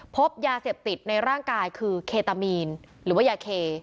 พบยาเสพติดในร่างกายคือเคตามีนหรือว่ายาเค